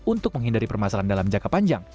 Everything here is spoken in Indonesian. untuk menghindari permasalahan dalam jangka panjang